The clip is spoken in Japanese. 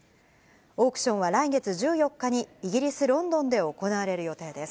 オークションは来月１４日に、イギリス・ロンドンで行われる予定です。